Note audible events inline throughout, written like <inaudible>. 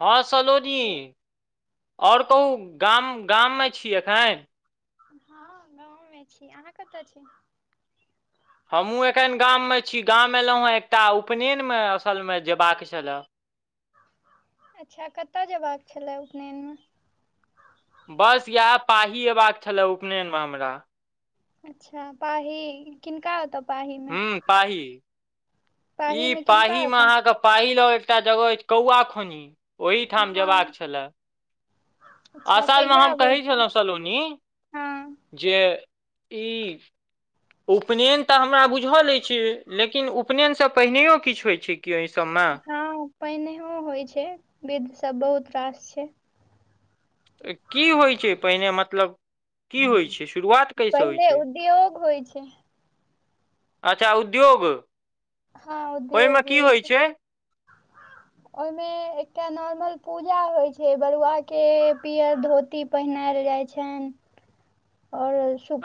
हँ हेलो सलोजी, और कहु गाम गाममे छी एखैन? हँ गाँवमे छी, अहाँ कत छी? हमहूँ एखन गाममे छी, गाम एयलहुँ हेँ एकटा उपनयनमे असलमे जयबाक छले। अच्छा, कत जयबाक छले उपनयनमे? बस इएह पाही अयबाक छलए उपनयनमे हमरा अच्छा पाही किनका ओत हुं पाही। ई पाहीमे किनका पाहीमे ओतऽ अहाँके पाही लग एकटा जगह अछि कौआ खोनही ओहिठाम जेबाक हँ छले। अच्छा असलमे कहिया हम अबै कहै छलहुँ सलोनी हँ जे ई उपनयन त हमरा बुझल अछि, लेकिन उपनयनसँ पहिनैयो किछु होइत छै? कि एहि सभमे हँ पहिनैयो होइ छै, विध सब बहुत रास छै। त की होइ छै पहिने मतलब की होइ छै, शुरुआत कैसे होइ पहिले छै? उद्योग होइ छै अच्छा उद्योग हँ उद्योग होइ छै। ओहि मे एकटा नॉर्मल पूजा होय छै, बरुआ के पीयर धोती पहिनाय ओल जाइ छैन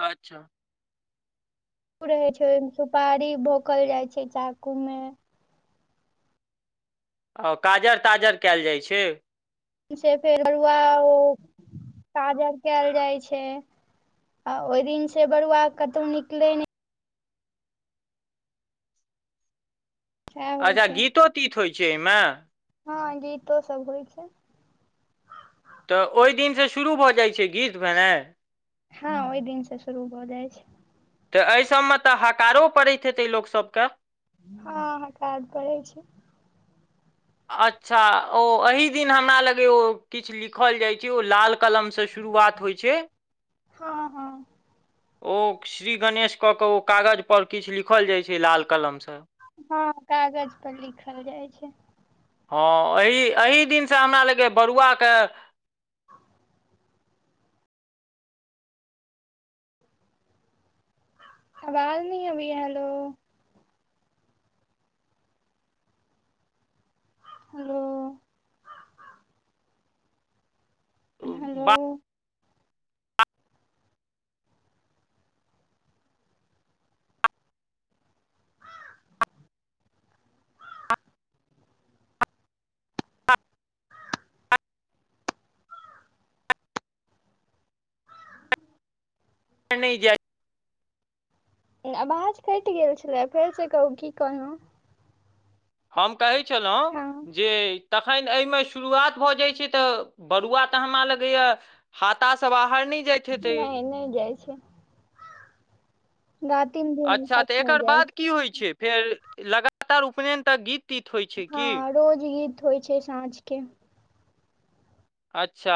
अच्छा। चूक रहै छै, ओहिमे सुपारी भोंकल जाइ छै चाकूमे आ काजर ताजर कयल जाइ छै? से फेर बरुआ ओ काजर कयल जाइ छै। आ ओहि दिन से बरुआ कतहु निकलै नै सएह होइ अच्छा छै गीतो तीत होइत छै एहिमे हँ गीतो सब होइ छै। त ओहि दिनसे शुरू भ जाइ छै गीत भेनाइ हँ ओहि दिन से शुरू भ जाइ छै तऽ एहि सभमे तऽ हकारो पड़ैत हेतै लोकसभके हँ हकार पडै छै। अच्छा ओ एहि दिन हमरा लगैये ओ किछु लिखल जाइत छै ओ लाल कलम से शुरुआत होइ छै। हँ हँ ओ श्री गणेश क क ओ कागज पर किछ लिखल जाय छै लाल कलम से हँ कागज पर लिखल जाइ छै हँ एही एही दिनसँ हमरा लगै बरुआके आवाज नै अबैये हलो हेलो हेलो बाहर नहि जाइ अबाज कटि गेल छलै फेर से कहू की कहलहुँ हम कहैत छलहुँ जे तखन एहि में शुरुआत भऽ जाय छै तऽ बरुआ तऽ हमरा लगैये हाता स बा हर नहि जाइत हेतै। नहि नहि जाइ छै रातिम दिन अच्छा तक तऽ नहि एकर जाइ बाद छै की होइत छै? फेर लगातार उपनयन तक गीत तीत होइ छै की? हँ रोज गीत होइ छै साँझ के। अच्छा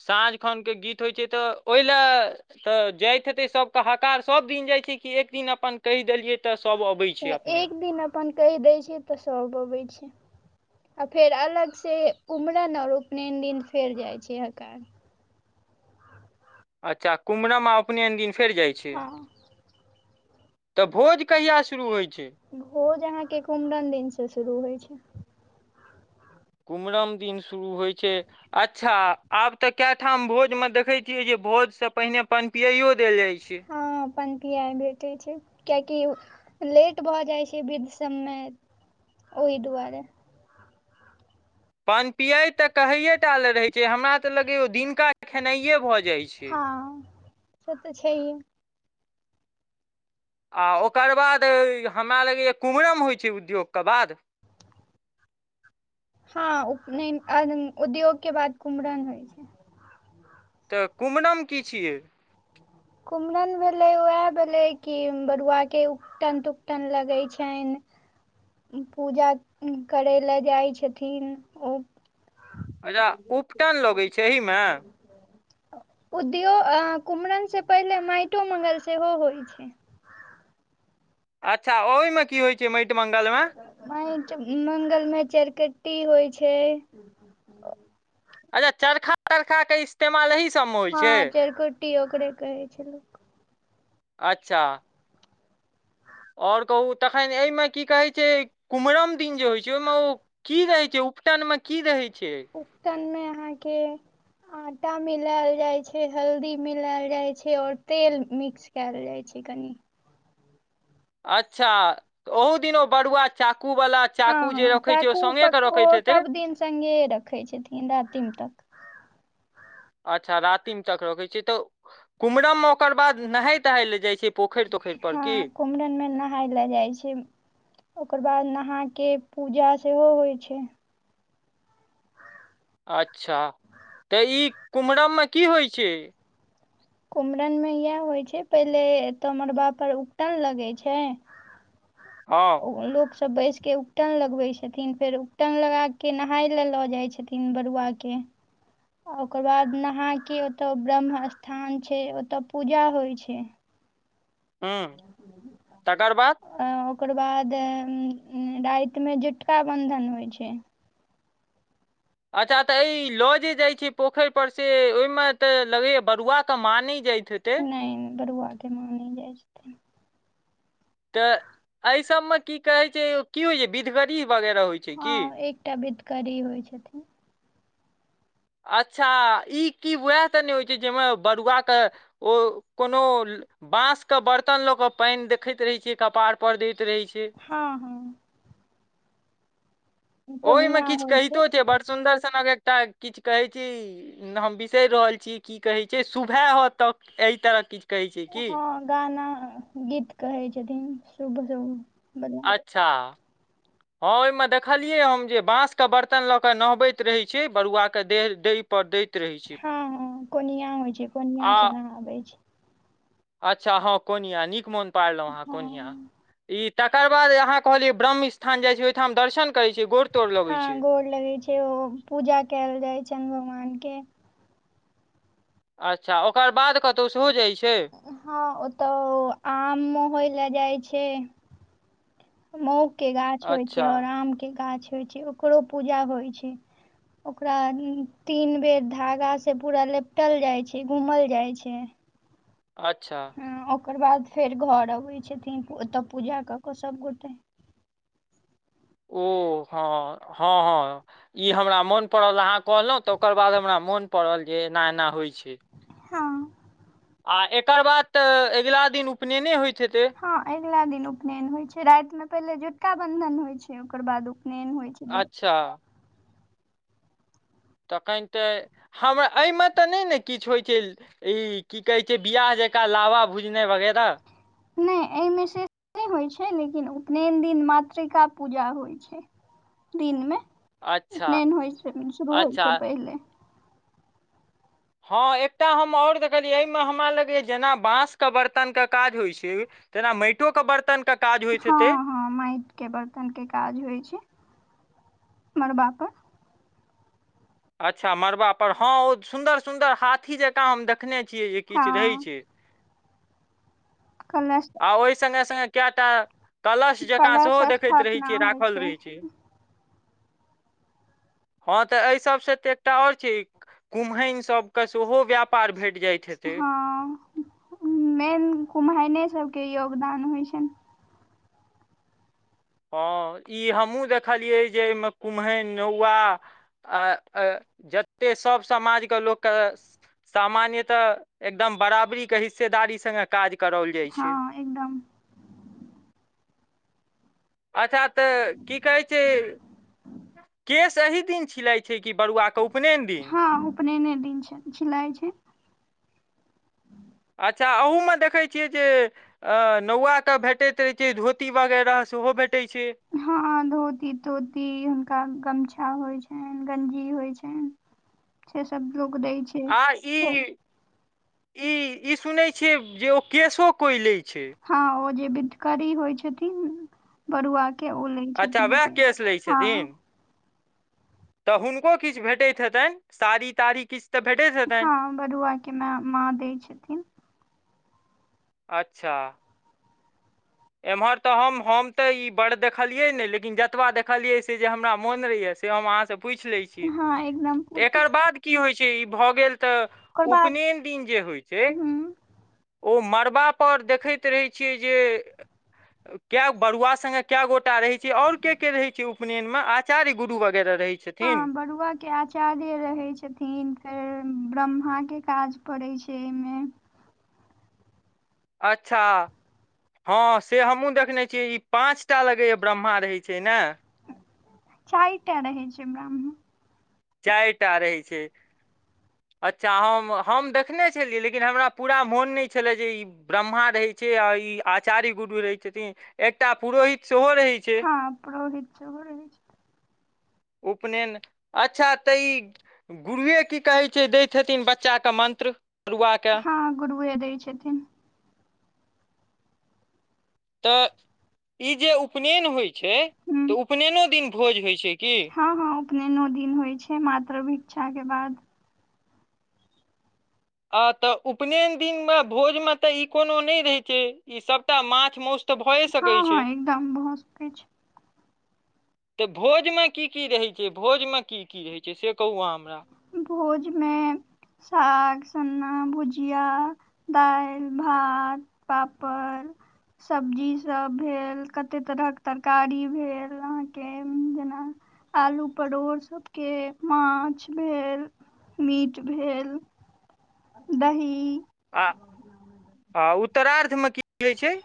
साँझ खन के गीत होइ छै तऽ ओहि ले तऽ जाइत हेते सब के हकार सब दिन जाइ छै कि एक दिन अपन कहि देलियै तऽ सभ अबै छै तऽ अपने एक दिन अपन कहि दैत छै तऽ सब अबैत छै। आ फेर अलग से कुमरन आऔर उपनयन दिन फेर जाइ छै हकार। अच्छा कुम्हरम उपनयन दिन फेर जाइत छै। हँ तऽ भोज कहिया शुरू होइत छै? भोज अहाँके कुमरम दिनसँ शुरू होइ छै। कुम्हरम दिन शुरू होइत छै अच्छा आब तऽ कए ठाम भोजमे देखैत छियै जे भोज स पहिने पनपियाइयो देल जाइ छै। हँ पन पियाइ भेटे छै कियेकि लेट भऽ जाइ छै विध सबमे ओहि दुआरे। पनपियैइ कहैए टाले रहैत छै हमरा तऽ लगैये ओ दिनका खेनाइए भऽ जाइ जाइ छै। हँ से तऽ छै। आ ओकर बाद हमरा लगैए कुम्हरम होइ छै उद्योगक बाद <unintelligible> हँ उपनैन उद्योग के बाद कुमरन होइ छै। तऽ कुमरम की छियै? कुम्हरन भेलै उएह भेलै कि बरुआ के उपटन तुपटन लगै छनि। पूजा करै लए जाइ छथिन ओ अच्छा उपटन लगैत छै एहिमे? उद्यो अ कुमरन से पहिले माइटो मंगल सेहो होइ छै। <unintelligible> अच्छा ओहिमे की होइ छै माटि मङ्गलमे? मंगलमे चारिकट्टी होइ छै। अच्छा चरखा तरखा के इस्तेमाल एहिस हँ, चाइरखुट्टी ओकरे कहै छैलै। अच्छा। आओर कहू तखन एहिमें, की कहै छै कुम्हरम दिन जे होइत छै, ओहि में ओ की रहै छै। उकटन में की रहै छै। उकटन में अहाँके। आटा मिलायल जाय छै, हल्दी मिलायल जाय छै, और तेल मिक्स कैयल जाय छै। ठीक। अच्छा, ओहो दिन ओ बरुआ च। हँ, हँ चाकू पक्क ओ रखैत हेतै सभदिन सङ्गे रखैत छथिन, रातिम तक। <inaudible> अच्छा रातिम तक रखैत छै, तऽ कुम्हरममें ओकर बाद नहाय- तहाय ल जाइ छै। पोखरि तोखरि पर की हँ कुमरम में नहाय ले जाइ छै, ओकर बाद नहा। के पूजा सेहो होइ छै। अच्छा, तऽ ई कुम्हरममें की होइ छै। कुमरम में इएह होइ छै, पहिले एतऽ मड़बा पर उकटन लगै छै। हँ ओ लोक। सभ बैसके उकटन लगबै छथिन, फेर उकटन लगा के नहाय लए लऽ जाइ छथिन बरुआके। ओकर बाद नहाक ओतय ब्रह्म-स्थान छै, ओतय पूजा होइ छै। हूं, तकर बाद। ओकर बाद, रातिमें झुटका-बन्धन होइ छै। अच्छा तऽ ई लऽ जे जाइ छै पोखरि पर से, ओहि में तऽ लगैय बरुआके माँ नइ जाइ छै। नइ बरुआ के माँ नइ जाए छथिन। तऽ एहि सभमें की कहै छै, की होइ छै विधगरी वगैरह होइ छै की। करी होइ छथिन। अच्छा, ई की उएह त नइ होइ छै जाहिमे बरुआके ओ कोनो। बाँंस के बर्तन लऽ के पानि देखैत रहै छियै, कपार पर दैत। रहै छै हँ हँ। ओह में कोनिया किछ होइ कहितो छै, बड़ सुन्दर सनक एक। एकटा किछु कहे छी, हम बिसरि रहल छी की कहे छै, शुभैह त अहि तरह किछ। हँ गाना गीत कहै छथिन, शुभ। बला अच्छा। <unintelligible> हँ ओहिमें देखलियै हम, जे बांसके बर्तन लऽ कऽ नहबैत रहैत छै, बरुआके देह दही पर दैत। रहै छै हँ हँ कोनिया होइ छै, कोनिया से आ नहाबै छै। अच्छा हँ कोनिया, नीक मोन पारलहु अहाँ हँ कोनिया, ई। तकर बाद अहाँ कहलियै, ब्रह्म-स्थान जै छै, ओय ठाम ह दर्शन करै छै, गोर। तोड़ लगै हँ गोर लगै छै, ओ पूजा कैल जाइ छैनि भगवानके। अच्छा, ओकर बाद कतहु सेहो जाइ छै। हँ, ओ तऽ आम मोहे लए जाइ छै। के, महूके गाछ होइ छै अच्छा और आम के गाछ। होइ छै, ओकरो पूजा होइ छै। ओकरा तीन बेर धागासँ पूरा लपटल जाइ छै, घूमल जाइ छै। अच्छा। हँ ओकर बाद फेर घर अबै छथिन, ओतऽ पूजा कऽ के सभ गोटे। ओ, हँ हँ, हँ, ई हमरा मोन पड़ल अहाँ कहलहुँ तऽ ओकर बाद हमरा। मोन पड़ल जे, एना- एना होइ छै। हँ, आ एकर बाद त, अगिला दिन उपनयने होइत। हेतै हँ, अगिला दिन उपनयन होइत छै, रातिमे पहिले झुटका- बन्धन होइत छै, ओकर बाद उप उपनेन होइ छै, दिन अच्छा तखन तऽ, हमरा एहिमे तऽ नहि ने किछु होइत छै, ई की कहै छै, बियाह जे एका लावा भुजने वगैरह! नैय। एहिमे से होइ छै, लेकिन उपनयन दिन मातृका पूजा होइ छै। दिन मे, अच्छा उपनैन होइ से शुरू होइ अच्छा से, पहिले! हँ, एकटा हम आओर देखलियै, एहिमे हमरा लगैए जेना, बाँसके बरतनके काज होइत छै। तेना माटियो के बर्तन क हँ, हँ, माटिके बर्तनके काज होइत छै। मरबा पर अच्छा! मड़बा पर हँ, ओ सुन्दर -सुंन्दर हाथी जकाँ हम देख देखखने छियै जे, किछु रहै हँ छै। कलश आ ओहि सगे- सङ्गे कैटा कलश जकाँ सेहो कलश देखैत रहै स्थापना छियै, होइ राखल रहै छै। <unintelligible> हँ तऽ एहि सभसँ तऽ एकटा आओर छै। कुम्हन सभके सेहो व्यापार भेट जाइत हेतै हँ, मेन घुमायने सब के योगदान होइ छनि। हँ, ई हमहूँ देखलियै जे, एहिमे कुम्हैन, नौआ! आ, अय जते सब समाजके लोकके, सामान्यतः एकदम बराबरी के हिस्सेदारी संग काज कराओल जाइ छै हँ, एकदम। अच्छा तऽ, की कहै छै। केश एही दिन छिलाइ छै कि! बरुआके उ हँ, उपनयने दिन छै झिलइ छै। अच्छा अहूमे देखैत छियै जे, नौआके भेटैत रहैत छै, धोती वगैरह सेहो भेटै छै हँ, धोती -तोती, हुनका गमछा। गमछा होइ छनि, गंजी होइ छनि, से सब लोक दै छै। आ ई ई ई सुनैत छियै, जे ओ केशो कोइ लैत छै। हँ, ओ जे बिद्दकरी होइ छथिन, बरुआ! के, ओ लै अच्छा छथिन वएह केश लै हँ। छथिन तऽ हुनको किछु भेटैत हेतनि, साड़ी -ताड़ी किछु? तऽ भेटैत हेतनि हँ, बरुआके माँ दैत छथिन। अच्छा! एम्हर तऽ हम हम तऽ ई बडड़ देखलियै नहि, लेकिन जतबा देखलियै से जे हमरा मोन रहैए। से हम अहाँ से पूछि लै छी, हँ एकदम पूछू। एकर बाद की होइ छै? छै, भऽ गेल तऽ, ओकर बाद उपनन दिन जे होइ छै! हूँ ओ मरब परर देखैत रहैत छियै जे कए बरुआ सङ्गे कए गोटा रहै छै, आऔर के के रहै छै, उपनयनमे आचार्य गुरु वग हँ, बरुआके आचार्य रहैत छथिन, फेर ब्रह्मा के काज पड़ै छै ए मे। अच्छा। हां से हमु देखने छियै ई पाँचटा लगैया ब्रह्मा रहै छै नै। चाएरटा रहै छै ब्राह्म। चायटा रहै छै। अच्छा हम हम देखने छलियै लेकिन हमरा पूरा मोन नै छलै जे ई ब्रह्मा रहै छै आ ई आचार्य गुरु रहै छथि, एकटा पुरोहित सेहो रहै छै हां पुरोहित सेहो रहै छै। उपनैन अच्छा तऽ ई गुरुए की कहै छै दै छथिन बच्चाके मन्त्र। तरुआके हां गुरुए दै छथिन। तऽ ई जे उपनैन होय छै तऽ उपनैनो दिन भोज होय छै। की हां-हां उपनैनो दिन होय छै मात्र भिक्षा के बाद। आ तऽ उपनैन दिनमे भोजमे तऽ ई कोनो नै रहै छै ई सबटा माछ, मौस तऽ भए सकै हां-हां छै एकदम भ सकय छै। तऽ भोजमे की-की रहै छै, भोज मे की-की रहै छै से कहू अहां। भोज में साग सन्ना, भुजिया, दाएल, भात, पापड़। सब्जी सब भेल कते तरहक तरकारी भेल अहाँके जना आलू, परोड़ सबके माछ भेल, मीट भेल, दही आ आ उत्तरार्थ मे की हय छै।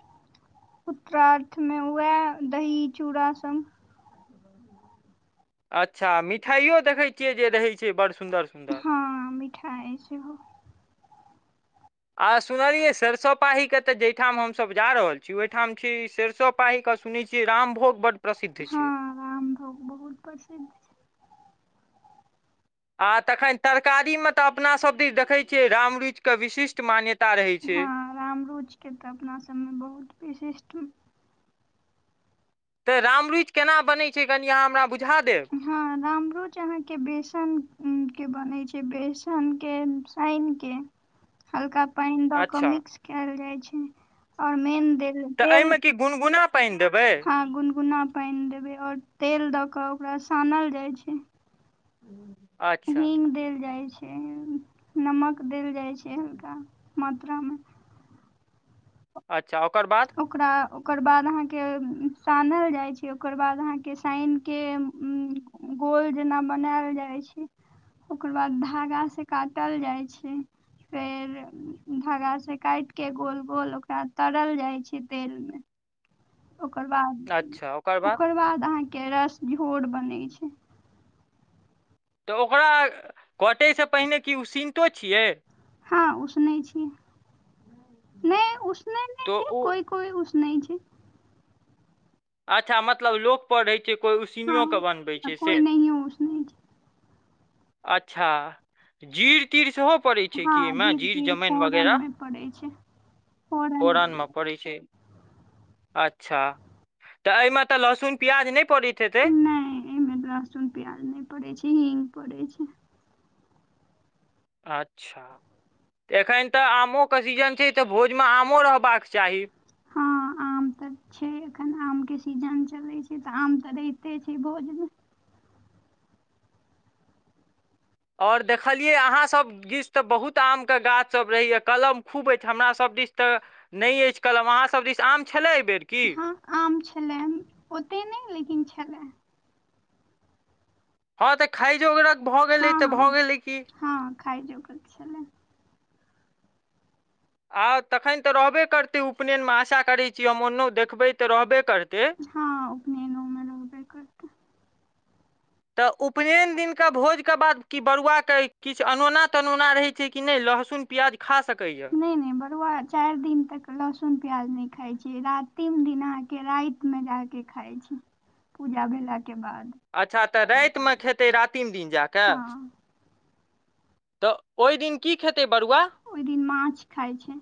उत्तरार्थ मे उहाए दही, चूड़ा संग अच्छा मिठाइयो देखै छियै जे रहै छै बड़ सुन्दर सुन्दर हां मिठाय सेहो आ सुनलियै सेरसों पाही के तऽ जेठाम हम सब जा रहल छी ओयठाम छी सेरसो पाही के क सुनै छियै रामभोग बड प्रसिद्ध छै हां राम भोग बहुत प्रसिद्ध छै। आ तखन तरकारीमे तऽ अपना सब दिस देखै छियै रामरुएच के विशिष्ट मान्य हां राम रुएच के तऽ अपना सबमे बहुत विशिष्ट तऽ रामरुएच केना बनै छै कनि अहाँ हमरा बुझ हां रामरुच अहाँ के बेसन उम्म के बनै छै, बेसन के सैन के हल्का पेएन द के अच्छा मिक्स काएल जाय छै और मेन तऽ एमे की गुनगुना पानि देबै हां गुनगुना पेएन देबै और तेल द के ओकरा सानल जाय छै, अच्छा हींग देल जाय छै। ए नमक देल जाय छै हल्का मात्रा मे। अच्छा ओकर बाद ओकरा ओकर बाद अहां के सानल जाय छै, ओकर बाद अहां के सेएन के उम्म गोल जेना बनाएल जाय छै, ओकर बाद धागा से काटल जाय छै। फेर धागा से काएट के गोल-गोल ओकरा तरल जाय छै तेल मे। ओकर बाद, ओकर बाद अहाँ के रस झोर बनै छै। तऽ ओकरा कटे से पहिने की उसिनतो छियै। हां उसनै छी नै उसनै नै तो छै ओ कोय-कोय उस सुनाइ छै? अच्छा मतलब लोक पढ़ै छै कोइ उसिनियो के हँ बनबै आ छै से कोइ नहियो उसनै छै अच्छा, जीर तीर सेहो पड़ै छै हँ कि एहिमे, जीर जमैन वगैरह फोरनमे पड़ै छै फोरन मे पड़ै छै। अच्छा, त एहिमे त लहसुन प्याज नै नै एहिमे लहसुन प्याज नै पड़ै छै हींग पड़ै छै अच्छा। त एखैन त आमोके सीजन छै त भोजमे आमो रहबाक चाही। हँ, आम आम त छै, एखन आम के सीजन चले छै, त आम त रहिते छै भोज मे। <inaudible> और देखलियैये अहाँसभ दिस त बहुत आमके गाछसभ रहैए, कलम खूब अछि, हमरा सभ दिस त नहि अछि कलम अहाँ सब दिस आम छले एहिबेर? हँ आम छले, ओतेक नहि लेकिन छले। हँ त खाइ जोकरक भ गेलै त भ गेलै कि। खाइ जोकर छले। आ तखैन त रहबे करतै उपनयनमे, आशा करैत छी हम ओन देखबै त रहबे करतै। हँ उपनयनोमे रहबे करतै। त उपनयन दिनका भोजके बाद कि बरुआके किछु अनोना तनोना रहैत छै कि नहि लोक लहसुन प्याज खा सकैए नहि नहि बरुआ चारि दिन तक लहसुन प्याज नै खाय छै रातिम दिन अहां के राति मे जाक खाइ छै पूजा भेला के बाद अच्छा त रातिमे खेतै रातिम दिन जा के हँ त ओहि दिन की खेतै बड़ुआ ओहि दिन माछ खाइ छै।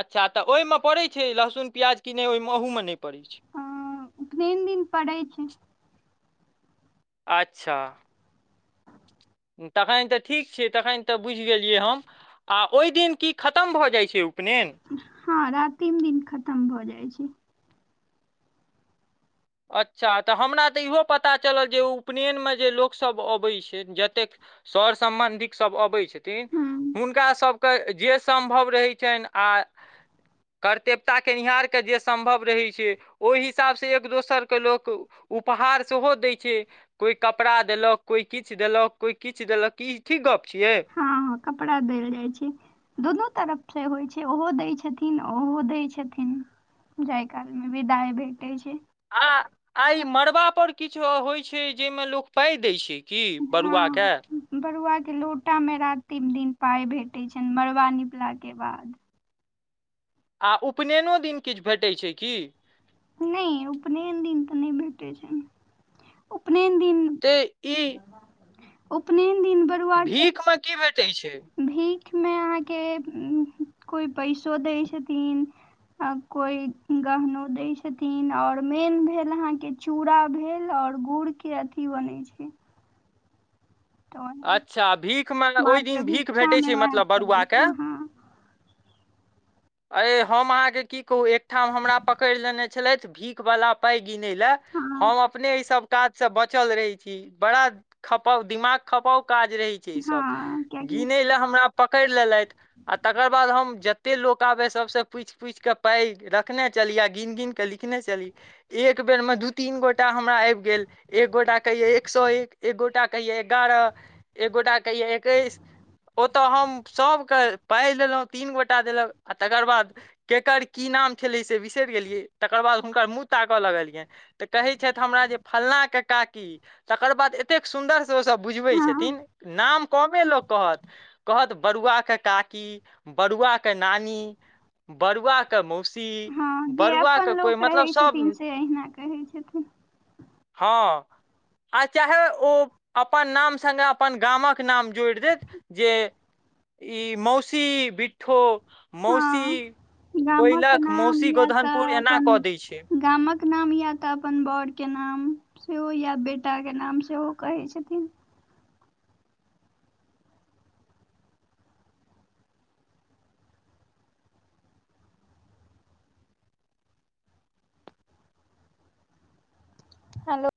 अच्छा त ओहिमे पड़ैत छै लहसुन प्याज कि नहि ओहिमे अहूमे नहि पड़ैत छै हां, उपनैैन दिन पड़ै छै अच्छा। तखैन त ठीक छै, तखैन त बुझि गेलियै हम आ ओहि दिन की खतम भ जाइ छै उपनयन हँ रातिम दिन खतम भ जाइ छै। अच्छा त हमरा त इहो पता चलल जे ओ उपनयनमे जे लोकसभ अबैत छै जतेक सर सम्बन्धिक सब अबै छथिन हँ हुनका सभ के जे सम्भव रहै छनि आ कर्तेवता केनिहारके जे सम्भव रहै छै ओहि हिसाबसँ एक दोसर के लोक उपहार सेहो दै छै, ््््ध‌कोइ कपड़ा देलक कोइ किछु देलक कोइ किछु किछु देलक ई ठीक गप छियै? हँ कपड़ा देल जाइ छै, दुनू तरफ से होइ छै ओहो दै छथिन ओहो दै छथिन। जाइ काल मे विदाइ भेटै छै। आ आ ई मड़बाापर किछु होइत छै जाहिमे लोक पाइ दैत छै? की बरुआके? हँ बरुआ लोटा मे रातिम दिन पाइ भेटैत छनि मरबा निपला के बाद आ उपनयनो दिन किछु भेटैत छै कि? नहि उपनयन दिन त नै भेटै छै उपनयन दिन त ई। उपनयन। दिन भीख में की भेटै छै। भीख में अहाँके, कोइ पैसो दै छथिन। कोई गहनों दैय छथिन, और मेन भेल अहाँके चूड़ा भेल और। आओर गुड़ के अथी बनै छै। तऽ ओहिमे अच्छा भीख में ओहि मात्र दिन भीख भेटै भिक्षामे छै, वैह मतलब पड़ै बरुआके। छै हँ अे हम अहाँकेँ की कहू एकठाम हमरा पकड़ि लेने छलथि, भीखवला पै। गिनै लए हँ हम अपने ई सब। काजसँ बचल रहै छी, बड़ा खपाउ दिमाग खपाऊ। काज रहै छै ई सब, हँ कियाकि गिनै ल हमरा। पकड़ लेलथि आ तकर बाद हम जत्ते लोक। आबै, सबसँ पूछि- पूछिके पाइ रखने चली, आ गिन- गिन के लिखने चली। एक बेर में। दू- तीन गोटा हमरा आबि गेल, एक गोटा कहियै एक सौ एक, एक गोटा कहियै एगारह। एक गोटा कहिये एकैस, ओतऽ हम सबके पाइ दलौंहुँ, तीन गोटा देलक। आ तकर बाद केकर की नाम छलै से बिसरि गेलियै, तकर बाद हुनकर मुँह ताकय लगलियनि। तऽ कहैत छथि हमरा जे फलनाके काकी, तकर बाद एतेक सुन्दरसँ ओसभ बुझबैत हँ छथिन। नाम कमे लोक कहत, कहत बरुआ के काकी, बरुआ के। नानी, बरुआ के मौसी। हँ जे बरुआ के अपन कोई, लोक मतलब रहै सब। छथिन से अहिना कहै छथिन हँ। आ चाहे ओ अपन नाम सङ्गे अपन गामक नाम जोड़ि देत जे। ई मौसी बिट्ठो। मौसी हँ गामक कोयलख, नाम मौसी या गोधनपुर, तऽ एना अपन कऽ दै छै। गामक नाम या तऽ अपन बर के नाम सेहो या बेटाके नाम सेहो कहैत छथिन। हेलो।